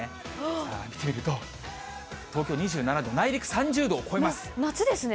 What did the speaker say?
さあ、見てみると、東京２７度、夏ですね。